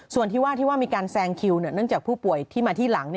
ส่วนที่ว่าที่ว่ามีการแซงคิวเนื่องจากผู้ป่วยที่มาที่หลัง